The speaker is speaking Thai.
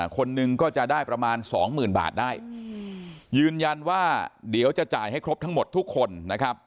คนหนึ่งก็จะได้ประมาณสองหมื่นบาทได้ยืนยันว่าเดี๋ยวจะจ่ายให้ครบทั้งหมดทุกคนนะครับ